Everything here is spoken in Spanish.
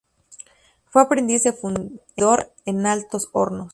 Fue aprendiz de fundidor en Altos Hornos.